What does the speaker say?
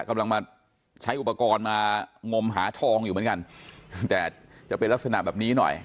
กำลังมาใช้อุปกรณ์มางมหาทองอยู่เหมือนกันแต่จะเป็นลักษณะแบบนี้หน่อย